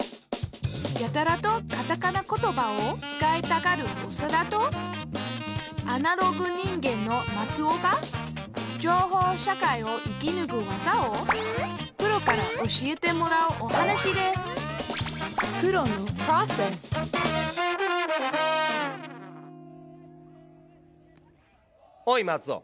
やたらとカタカナ言葉を使いたがるオサダとアナログ人間のマツオが情報社会を生きぬく技をプロから教えてもらうお話ですおいマツオ！